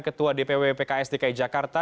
ketua dpw pks dki jakarta